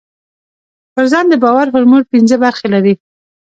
پر ځان د باور فورمول پينځه برخې لري.